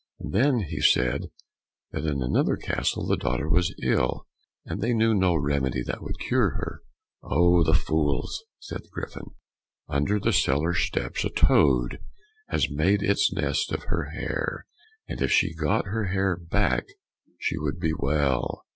"And then he said that in another castle the daughter was ill, and they knew no remedy that would cure her." "Oh! the fools!" said the Griffin; "under the cellar steps a toad has made its nest of her hair, and if she got her hair back she would be well."